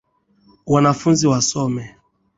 Wanafunzi wasome.